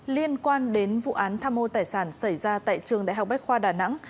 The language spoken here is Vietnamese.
liên quan đến vụ án tham mô tài sản xảy ra tại trường đại học bách khoa đà nẵng